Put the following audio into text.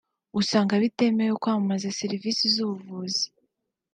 usanga bitemewe kwamamaza serivisi z’ubuvuzi